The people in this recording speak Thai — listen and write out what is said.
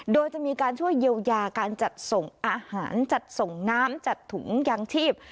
โดยจะมีการช่วยเยียวยาการจัดส่งอาหารจัดส่งน้ำจัดถุงยางชีพ